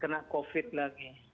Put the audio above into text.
kena covid lagi